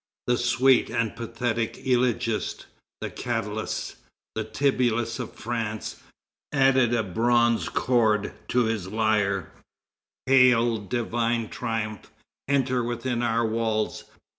The sweet and pathetic elegiast, the Catullus, the Tibullus of France, added a bronze chord to his lyre: Hail, divine triumph! Enter within our walls!